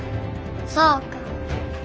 そうか。